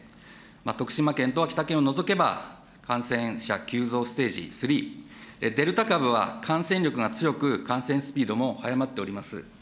徳島県と秋田県を除けば感染者急増ステージ３、デルタ株は、感染力が強く感染スピードも速まっております。